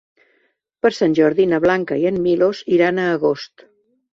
Per Sant Jordi na Blanca i en Milos iran a Agost.